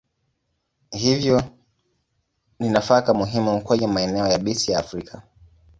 Hivyo ni nafaka muhimu kwenye maeneo yabisi ya Afrika.